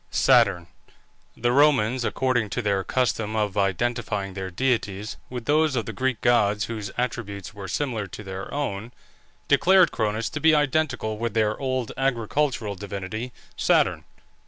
SATURN. The Romans, according to their custom of identifying their deities with those of the Greek gods whose attributes were similar to their own, declared Cronus to be identical with their old agricultural divinity Saturn.